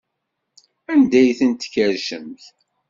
Anda ay tent-tkerrcemt?